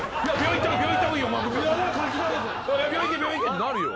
ってなるよ。